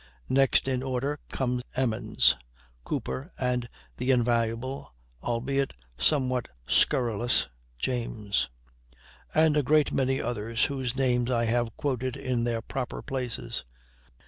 Next in order come Emmons, Cooper, and the invaluable, albeit somewhat scurrilous, James; and a great many others whose names I have quoted in their proper places.